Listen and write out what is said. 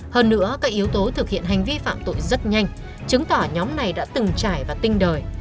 hơn nữa các yếu tố thực hiện hành vi phạm tội rất nhanh chứng tỏ nhóm này đã từng trải và tinh đời